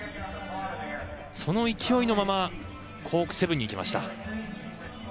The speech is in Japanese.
その勢いのままコーク７２０にいきました。